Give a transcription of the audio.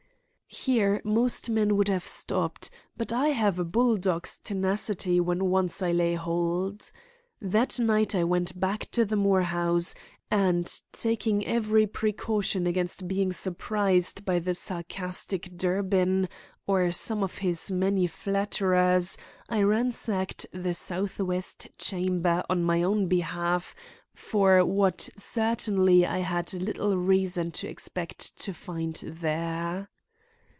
Here most men would have stopped, but I have a bulldog's tenacity when once I lay hold. That night I went back to the Moore house and, taking every precaution against being surprised by the sarcastic Durbin or some of his many flatterers, I ransacked the southwest chamber on my own behalf for what certainly I had little reason to expect to find there.